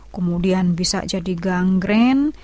kemudian bisa jadi gangren